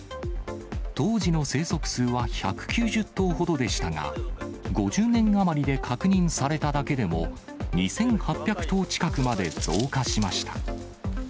当時の生息数は１９０頭ほどでしたが、５０年余りで確認されただけでも２８００頭近くまで増加しました。